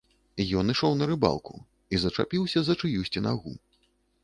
Ён ішоў на рыбалку і зачапіўся за чыюсьці нагу.